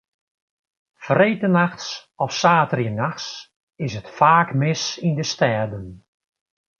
Freedtenachts of saterdeitenachts is it faak mis yn de stêden.